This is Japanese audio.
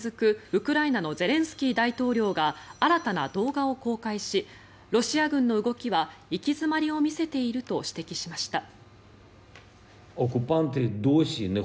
ウクライナのゼレンスキー大統領が新たな動画を公開しロシア軍の動きは行き詰まりを見せていると指摘しました。